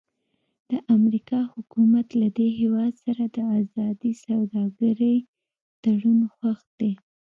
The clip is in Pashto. د امریکا حکومت له دې هېواد سره د ازادې سوداګرۍ تړون خوښ دی.